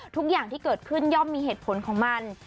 ทุกอย่างที่เกิดขึ้นย่อมมีเหตุผลของมัน